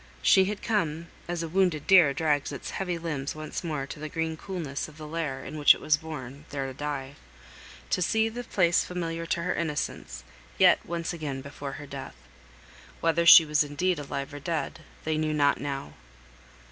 She had come (as a wounded deer drags its heavy limbs once more to the green coolness of the lair in which it was born, there to die) to see the place familiar to her innocence, yet once again before her death. Whether she was indeed alive or dead, they knew not now.